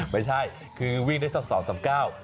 ไม่ใช่คือวิ่งได้สัก๒๓ก้าว